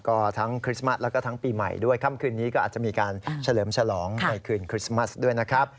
ก็ทั้งคริสต์มัสแล้วก็ทั้งปีใหม่ด้วยค่ำคืนนี้ก็อาจจะมีการเฉลิมฉลองในคืนคริสต์มัสด้วยนะครับ